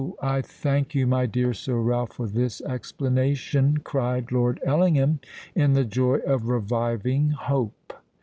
I thank you, my dear Sir Ralph, for this explanation," cried Lord Ellingham, in the joy of reviving hope.